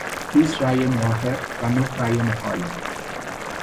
بیست رای موافق و نه رای مخالف